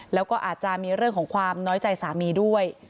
แล้วก็อาจจะมีเรื่องของความน้อยใจสามีด้วย